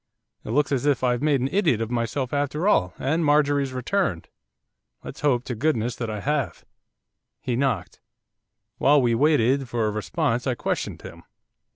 It looks as if I've made an idiot of myself after all, and Marjorie's returned, let's hope to goodness that I have.' He knocked. While we waited for a response I questioned him.